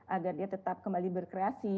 agar dia tetap kembali berkreasi